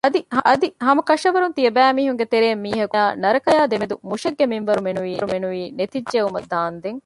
އަދި ހަމަކަށަވަރުން ތިޔަބައިމީހުންގެ ތެރެއިން މީހަކު އޭނާއާއި ނަރަކައާ ދެމެދު މުށެއްގެ މިންވަރު މެނުވީ ނެތިއްޖައުމަށް ދާންދެން